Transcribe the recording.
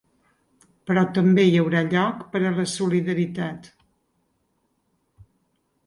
Però també hi haurà lloc per a la solidaritat.